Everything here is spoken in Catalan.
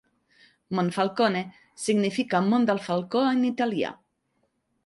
Monfalcone significa "mont del falcó" en italià.